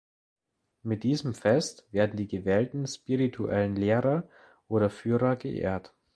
Mit diesem Fest werden die gewählten spirituellen Lehrer oder Führer geehrt.